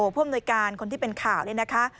หรือผ่วมโดยการคนที่เป็นข่าวเลยนะคะ